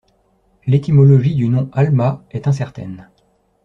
L'étymologie du nom Halma est incertaine.